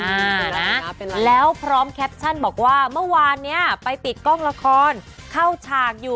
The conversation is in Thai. เห็นไหมแล้วพร้อมแคปชั่นบอกว่าเมื่อวานเนี้ยไปติดกล้องละครเข้าฉากอยู่